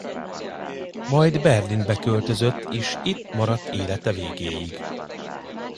Majd Berlinbe költözött is itt maradt élete végéig.